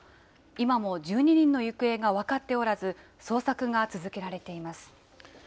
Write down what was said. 今も１２人の行方が分かっておらず、捜索が続けられています。